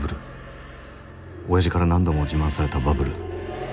おやじから何度も自慢されたバブル。